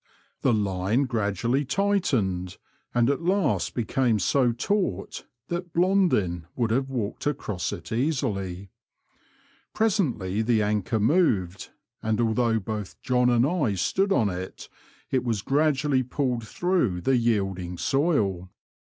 The line gradually tightened, and at last became so taut that Blondin would have walked across it easily. Presently the anchor moved, and although both John and I stood on it, it was gradually pulled through the yielding soil.